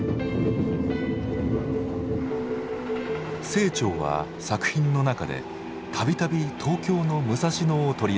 清張は作品の中で度々東京の武蔵野を取り上げています。